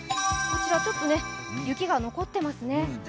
こちら、ちょっと雪が残っていますね。